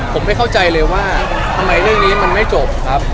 ผมไม่เข้าใจเลยว่าทำไมเรื่องนี้มันไม่จบครับ